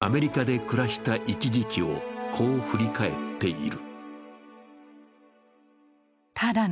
そうした島津さんだが、アメリカで暮らした一時期をこう振り返っている。